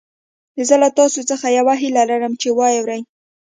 زه له تاسو څخه يوه هيله لرم چې يې واورئ.